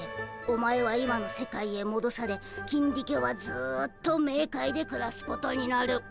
お前は今の世界へもどされキンディケはずっとメーカイでくらすことになる。